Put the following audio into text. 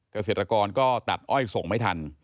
เกษตรกรก็ตัดอ้อยส่งไม่ทัน